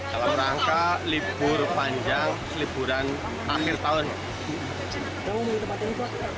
dalam rangka libur panjang liburan akhir tahun